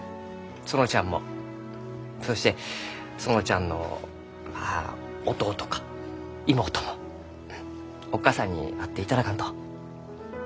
園ちゃんもそして園ちゃんのまあ弟か妹もおっ義母さんに会っていただかんと。